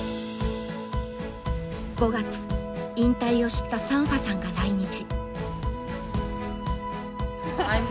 ５月引退を知ったサンファさんが来日。